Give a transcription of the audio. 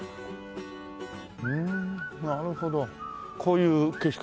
ふんなるほどこういう鉄橋。